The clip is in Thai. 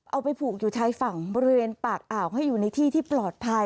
เอาไปผูกอยู่ชายฝั่งบริเวณปากอ่าวให้อยู่ในที่ที่ปลอดภัย